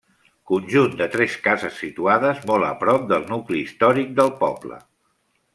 Conjunt de tres cases situades molt a prop del nucli històric del poble.